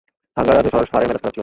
থাঙ্গারাজ স্যারের মেজাজ খারাপ ছিল।